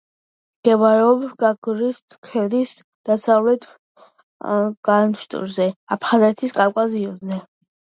მდებარეობს გაგრის ქედის დასავლეთ განშტოებაზე, აფხაზეთის კავკასიონზე.